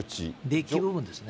デッキ部分ですね。